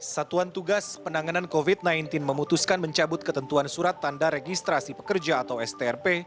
satuan tugas penanganan covid sembilan belas memutuskan mencabut ketentuan surat tanda registrasi pekerja atau strp